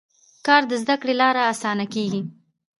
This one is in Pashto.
کار د زده کړې له لارې اسانه کېږي